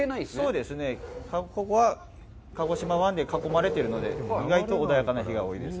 そうですね、ここは鹿児島湾に囲まれているので、意外と穏やかな日が多いです。